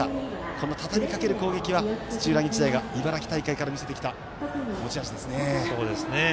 このたたみかける攻撃は土浦日大が茨城大会から見せてきた持ち味ですね。